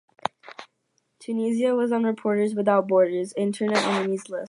Tunisia was on Reporters Without Borders' "Internet enemies" list.